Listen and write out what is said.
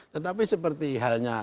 tetapi seperti halnya